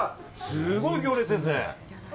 すごい行列ですね。